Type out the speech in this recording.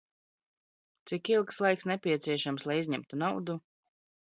Cik ilgs laiks nepieciešams, lai izņemtu naudu?